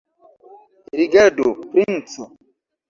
Rigardu, princo!